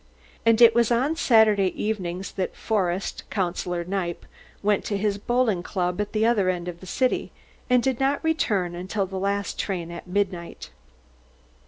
And it was on Saturday evenings that Forest Councillor Kniepp went to his Bowling Club at the other end of the city, and did not return until the last train at midnight.